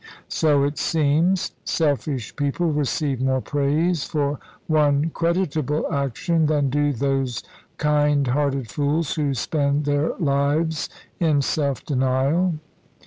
"So it seems. Selfish people receive more praise for one creditable action, than do those kind hearted fools who spend their lives in self denial."